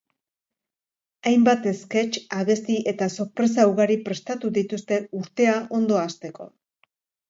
Hainbat esketx, abesti eta sorpresa ugari prestatu dituzte urtea ondo hasteko.